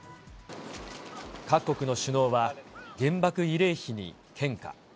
各国の首脳は、原爆慰霊碑に献花。